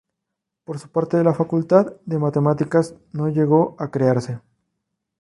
Por su parte, la Facultad de Matemáticas no llegó a crearse.